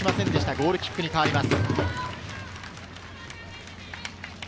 ゴールキックに変わります。